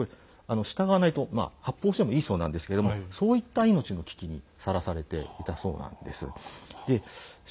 従わないと発砲してもいいそうなんですけれどもそういった命の危機にさらされていたそうなんです。